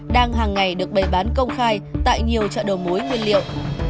đang hàng ngày được bày bán công khai tại nhiều chợ đầu mối nguyên liệu